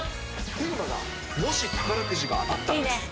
テーマが、もし宝くじが当たったらです。